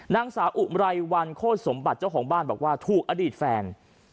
นางสาวอุไรวันโคตรสมบัติเจ้าของบ้านบอกว่าถูกอดีตแฟน